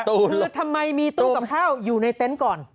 คือทำไมมีตู้กับข้าวอยู่ในเต็นต์ก่อน